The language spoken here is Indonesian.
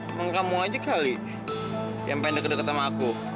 emang kamu aja kali yang pendek deket deket sama aku